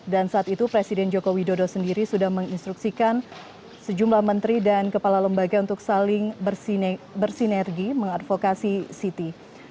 dan saat itu presiden jokowi dodo sendiri sudah menginstruksikan sejumlah menteri dan kepala lembaga untuk saling bersinergi mengadvokasi siti